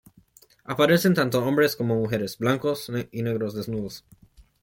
Aparecen tanto hombres como mujeres: blancos y negros, desnudos.